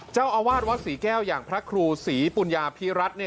เจ้าอาวาสวัดศรีแก้วอย่างพระครูศรีปุญญาพิรัตน์